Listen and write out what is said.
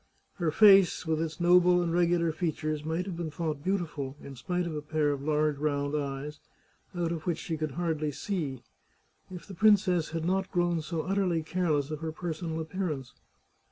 Her face, with its noble and regular features, might have been thought beautiful, in spite of a pair of large round eyes, out of which she could hardly see, if the princess had not grown so utterly care less of her personal appearance.